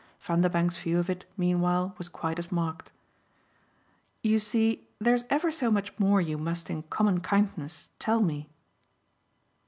Vanderbank's view of it meanwhile was quite as marked. "You see there's ever so much more you must in common kindness tell me."